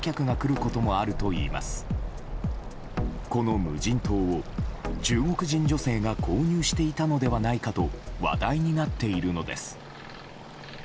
この無人島を中国人女性が購入していたのではないかと話題になっているのです。